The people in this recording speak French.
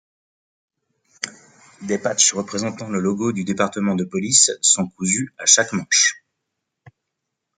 Des patchs représentant le logo du département de police sont cousus à chaque manche.